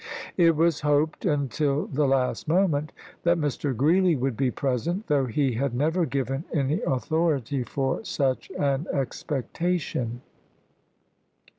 It was hoped until the last moment that Mr. Greeley would be present, though he had never given any authority for such an expectation.